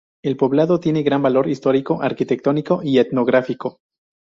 El poblado tiene gran valor histórico, arquitectónico y etnográfico.